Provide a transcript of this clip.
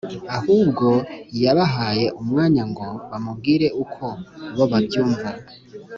ahubwo yabahaye umwanya ngo bamubwire uko bo babyumva.